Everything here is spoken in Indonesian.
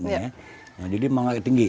nah jadi memang agak tinggi